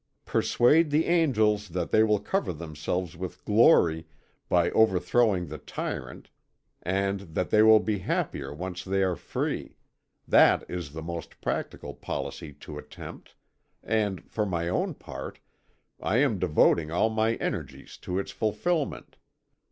"Persuade the angels that they will cover themselves with glory by overthrowing the tyrant, and that they will be happier once they are free; that is the most practical policy to attempt, and, for my own part, I am devoting all my energies to its fulfilment.